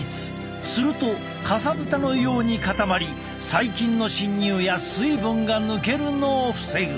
するとかさぶたのように固まり細菌の侵入や水分が抜けるのを防ぐ。